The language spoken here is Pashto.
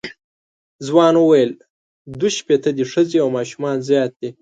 ځوان وویل دوه شپېته دي ښځې او ماشومان زیات دي.